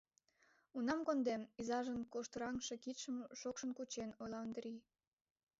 Унам кондем, — изажын коштыраҥше кидшым шокшын кучен, ойла Ондрий.